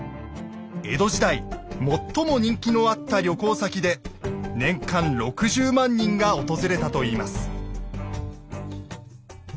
江戸時代最も人気のあった旅行先で年間６０万人が訪れたといいます。